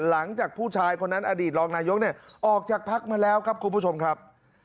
หลังจากผู้ชายคนนั้นอดีตรองนายกเนี่ยออกจากพักมาแล้วครับคุณผู้ชมครับ